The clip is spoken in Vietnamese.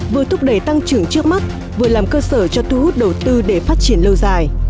vừa thúc đẩy tăng trưởng trước mắt vừa làm cơ sở cho thu hút đầu tư để phát triển lâu dài